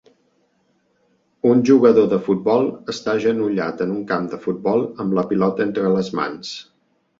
Un jugador de futbol està agenollat en un camp de futbol amb la pilota entre les mans